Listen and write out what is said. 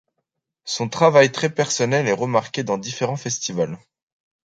Son travail très personnel est remarqué dans différents festivals.